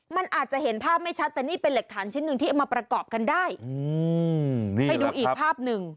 มันอาจจะเห็นภาพไม่ชัดแต่นี่เป็นหลักฐานชิ้นหนึ่งที่เอามาประกอบกันได้อืมนี่ให้ดูอีกภาพหนึ่ง